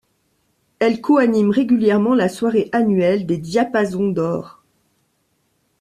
Elle co-anime régulièrement la soirée annuelle des Diapasons d'Or.